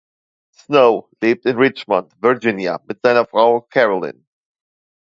Snow lebt in Richmond, Virginia mit seiner Frau Carolyn.